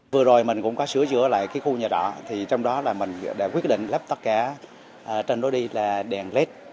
vừa rồi mình cũng có sửa giữa lại cái khu nhà trọ thì trong đó là mình đã quyết định lắp tất cả trên đó đi là đèn led